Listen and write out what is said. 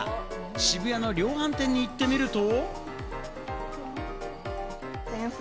渋谷の量販店に行ってみると。